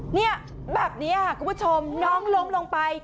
เนี่ยแบบนี้ค่ะคุณผู้ชมน้องล้มลงไป